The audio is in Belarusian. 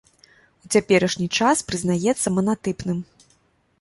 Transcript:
У цяперашні час прызнаецца манатыпным.